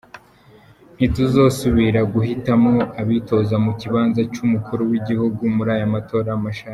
"Ntituzosubira guhitamwo abitoza mu kibanza c'umukuru w'igihugu muri ayo matora mashasha.